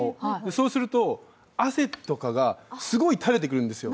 そうすると、汗とかがすごい垂れてくるんですよ。